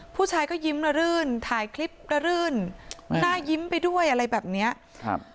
ผู้ชายก็ยิ้มระรื่นถ่ายคลิประรื่นหน้ายิ้มไปด้วยอะไรแบบเนี้ยครับ